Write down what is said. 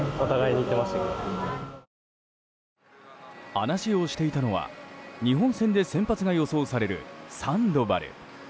話をしていたのは、日本戦で先発が予想されるサンドバル。